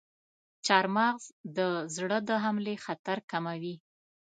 چارمغز د زړه د حملې خطر کموي.